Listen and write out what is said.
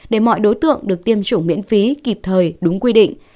để mọi đối tượng được tiêm chủng miễn phí kịp thời đúng quy định